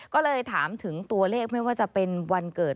ก็เลยถามถึงตัวเลขไม่ว่าจะเป็นวันเกิด